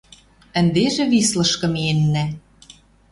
Ӹндежӹ Вислышкы миэннӓ.